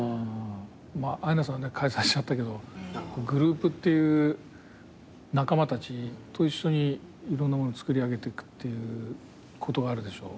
アイナさんは解散しちゃったけどグループっていう仲間たちと一緒にいろんなものつくり上げていくっていうことがあるでしょ。